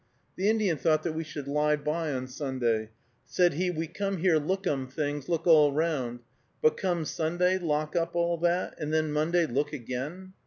The Indian thought that we should lie by on Sunday. Said he, "We come here lookum things, look all round; but come Sunday, lock up all that, and then Monday look again."